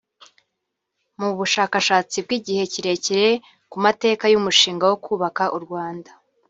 Mu bushakashatsi bw’igihe kirekire ku mateka y’umushinga wo kubaka u Rwanda